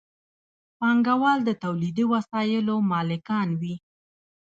پانګوال د تولیدي وسایلو مالکان وي.